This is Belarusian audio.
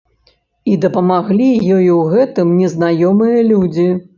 І дапамаглі ёй у гэтым незнаёмыя людзі.